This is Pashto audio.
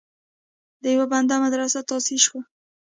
دیوبند مدرسه تاسیس شوه.